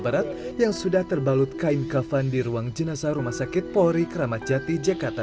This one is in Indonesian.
barat yang sudah terbalut kain kafan di ruang jenazah rumah sakit polri kramat jati jakarta